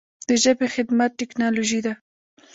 د ژبې خدمت ټکنالوژي ده.